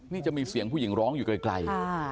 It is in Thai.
นี่จะมีเสียงผู้หญิงร้องอยู่ไกล